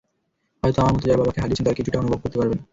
হয়তো আমার মতো যারা বাবা হারিয়েছেন তারা কিছুটা অনুভব করতে পারবেন।